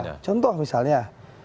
ya contoh misalnya